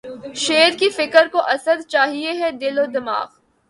شعر کی فکر کو اسدؔ! چاہیے ہے دل و دماغ